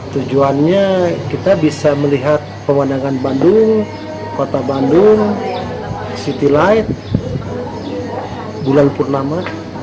tujuannya kita bisa melihat pemandangan bandung kota bandung city light bulan purnama